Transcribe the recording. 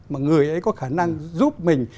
mà người ấy có khả năng giúp mình